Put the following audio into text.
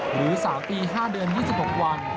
หรือ๓ปี๕เดือน๒๖วัน